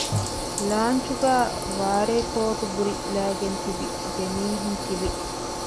ލާންޗުގައި ވާރޭ ކޯޓުބުރި ލައިގެން ތިބި ދެމީހުން ތިވި